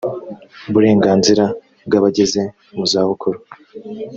burenganzira bw abageze mu zabukuru